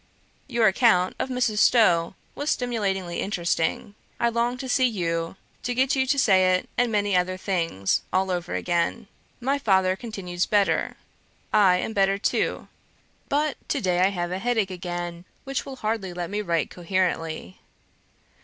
... Your account of Mrs. Stowe was stimulatingly interesting. I long to see you, to get you to say it, and many other things, all over again. My father continues better. I am better too; but to day I have a headache again, which will hardly let me write coherently.